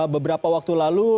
beberapa waktu lalu